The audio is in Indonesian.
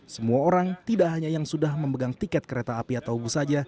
semua orang tidak hanya yang sudah memegang tiket kereta api atau bus saja